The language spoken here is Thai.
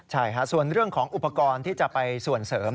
ใช่ค่ะส่วนเรื่องของอุปกรณ์ที่จะไปส่วนเสริม